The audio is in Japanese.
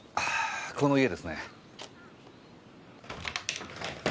この家ですね。